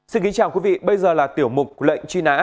xin kính chào quý vị bây giờ là tiểu mục lệnh truy nã